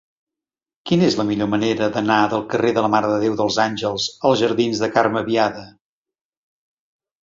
Quina és la millor manera d'anar del carrer de la Mare de Déu dels Àngels als jardins de Carme Biada?